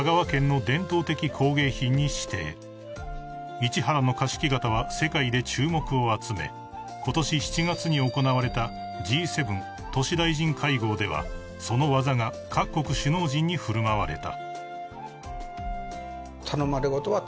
［市原の菓子木型は世界で注目を集めことし７月に行われたＧ７都市大臣会合ではその技が各国首脳陣に振る舞われた］